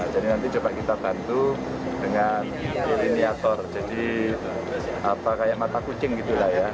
jadi nanti coba kita bantu dengan ini atur jadi kayak mata kucing gitu lah ya